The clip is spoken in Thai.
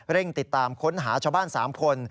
ติดตามค้นหาชาวบ้าน๓คน